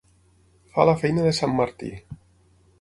Fa la feina de sant Martí.